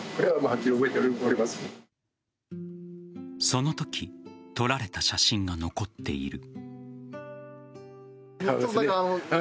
そのとき撮られた写真が残っている。